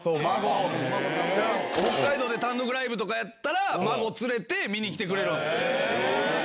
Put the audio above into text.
北海道で単独ライブとかやったら孫連れて見に来てくれるんすよ。